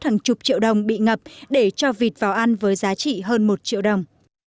hàng chục triệu đồng bị ngập để cho vịt vào ăn với giá trị hơn một triệu đồng